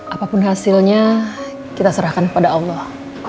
apapun hasilnya kita serahkan kepada allah